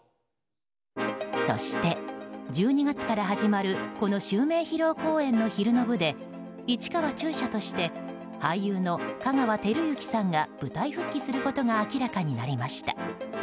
そして１２月から始まるこの襲名披露公演の昼の部で市川中車として俳優の香川照之さんが舞台復帰することが明らかになりました。